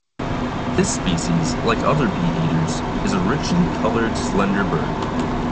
This species, like other bee-eaters, is a richly-coloured, slender bird.